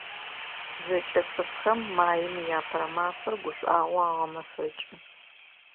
ЗэкӀэ цӀыфхэм Маим и Апэрэ мафэр гушӀуагъоу агъэмэфэкӀы.